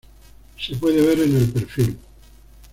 Se puede ver en el perfil.